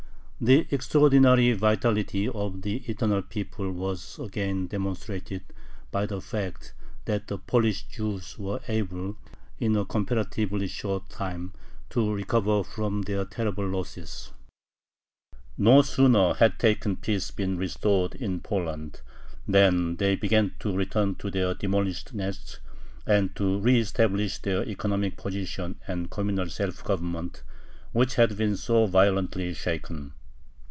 The extraordinary vitality of the "eternal people" was again demonstrated by the fact that the Polish Jews were able, in a comparatively short time, to recover from their terrible losses. No sooner had peace been restored in Poland than they began to return to their demolished nests and to re establish their economic position and communal self government, which had been so violently shaken.